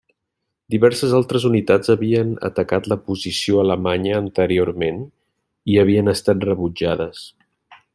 Diverses altres unitats havien atacat la posició alemanya anteriorment i havien estat rebutjades.